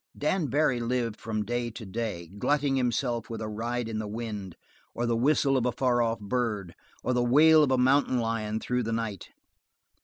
Dan Barry lived from day to day, glutting himself with a ride in the wind, or the whistle of a far off bird, or the wail of a mountain lion through the night.